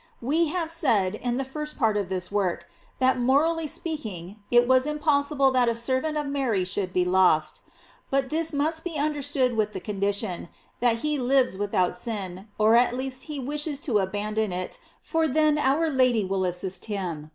We have said, in the first part of this work, that morally speak ing it was impossible that a servant of Mary should be lost. But this must be understood with the condition, that he lives without sin, or at least that he wishes to abandon it, for then our Lady will assist him.